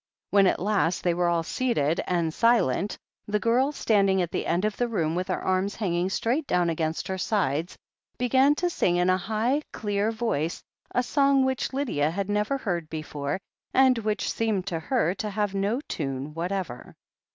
When at last they were all seated and silent, the girl. "] "1 230 THE HEEL OF ACHILLES standing at the end of the room with her arms hanging straight down against her sides, began to sing in a high, clear voice a song which Lydia had never heard before and which seemed to her to have no tune what ever.